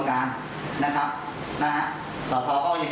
ในเรื่องการหลักขอใช้ว่าจัดตาม